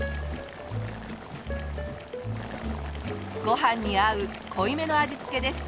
ごはんに合う濃いめの味付けです。